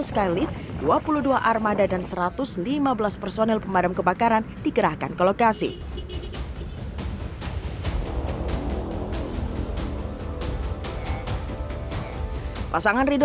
skylift dua puluh dua armada dan satu ratus lima belas personel pemadam kebakaran dikerahkan ke lokasi pasangan rindu